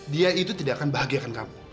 dia itu tidak akan bahagiakan kamu